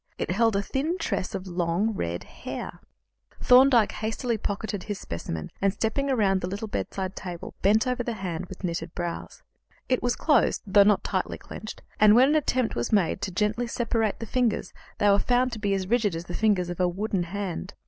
It held a thin tress of long, red hair. Thorndyke hastily pocketed his specimen, and, stepping round the little bedside table, bent over the hand with knitted brows. It was closed, though not tightly clenched, and when an attempt was made gently to separate the fingers, they were found to be as rigid as the fingers of a wooden hand.